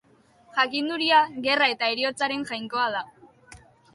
Jakinduria, gerra eta heriotzaren jainkoa da.